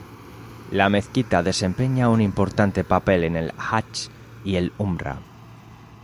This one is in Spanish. La mezquita desempeña un importante papel en el Hach y el Umra.